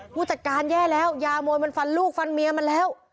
ผู้จัดการแย่แล้วยามวยมันฟันลูกฟันเมียมันแล้ว